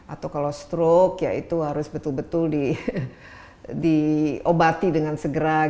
atau kalau stroke ya itu harus betul betul diobati dengan segera